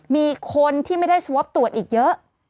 มีคนที่ไม่ได้สวอปตรวจอีกเยอะ